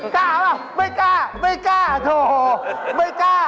กล้าป่ะไม่กล้าไม่กล้าโถไม่กล้า